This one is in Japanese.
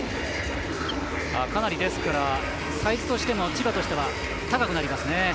かなり、サイズとしても千葉としては高くなりますね。